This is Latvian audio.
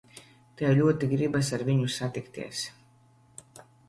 Tev ļoti gribas ar viņu satikties.